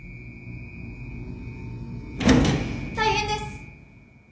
・大変です！